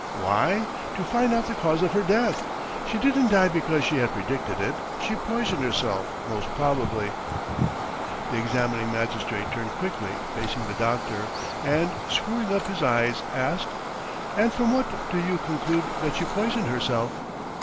"Why, to find out the cause of her death. She didn't die because she had predicted it. She poisoned herself most probably." The examining magistrate turned quickly, facing the doctor, and screwing up his eyes, asked: "And from what do you conclude that she poisoned herself?"